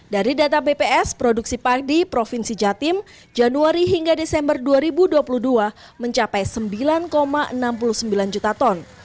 dari data bps produksi padi provinsi jatim januari hingga desember dua ribu dua puluh dua mencapai sembilan enam puluh sembilan juta ton